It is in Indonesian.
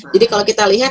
jadi kalau kita lihat